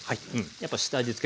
やっぱ下味つけ